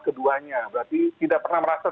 keduanya berarti tidak pernah merasa